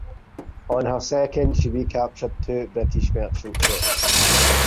On her second she recaptured two British merchant ships.